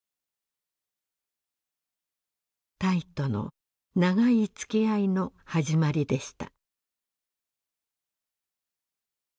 タイとの長いつきあいの始まりでした。